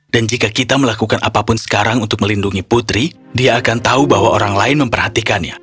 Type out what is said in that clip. dan jika kita melakukan apapun sekarang untuk melindungi putri dia akan tahu bahwa orang lain memperhatikannya